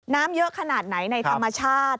น้ำเยอะขนาดไหนในธรรมชาติ